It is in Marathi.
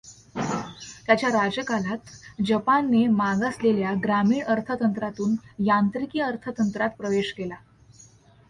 त्याच्या राज्यकालात जपानने मागासलेल्या, ग्रामीण अर्थतंत्रातून यांत्रिकी अर्थतंत्रात प्रवेश केला.